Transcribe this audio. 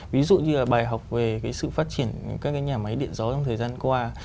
ví dụ như là bài học về cái sự phát triển các cái nhà máy điện gió trong thời gian qua